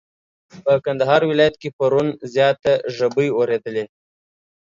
په کندهار ولايت کي پرون زياته ژبی اوريدلې.